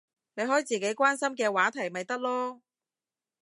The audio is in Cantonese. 你開自己關心嘅話題咪得囉